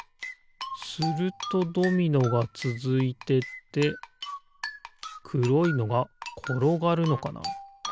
するとドミノがつづいてってくろいのがころがるのかな。